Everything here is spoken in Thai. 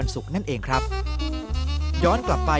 เมื่อเวลาเมื่อเวลา